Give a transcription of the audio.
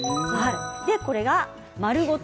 これが丸ごと